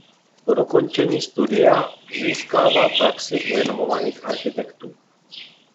Po dokončení studia získával praxi u renomovaných architektů.